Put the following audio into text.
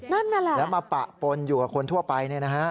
แล้วมาปะปนอยู่กับคนทั่วไปเนี่ยนะฮะ